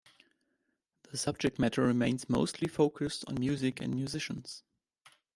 The subject matter remains mostly focused on music and musicians.